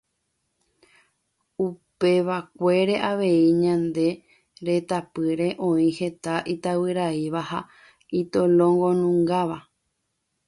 Upevakuére avei ñane retãpýre oĩ heta itavyraíva ha itolongonungáva.